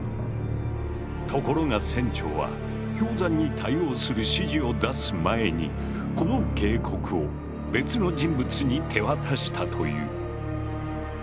ところが船長は氷山に対応する指示を出す前にこの警告を別の人物に手渡したという。